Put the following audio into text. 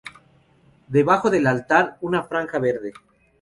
Debajo del altar, una franja verde.